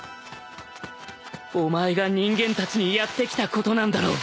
お前が人間たちにやってきたことなんだろう